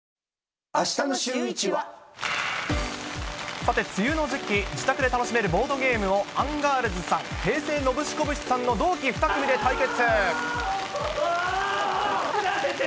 さて、梅雨の時期、自宅で楽しめるボードゲームを、アンガールズさん、平成ノブシコブシさんの同期２組で対決。